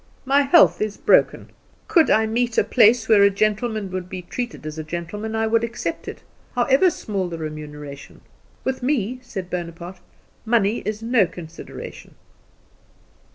My health is broken. Could I meet a place where a gentleman would be treated as a gentleman I would accept it, however small the remuneration. With me," said Bonaparte, "money is no consideration."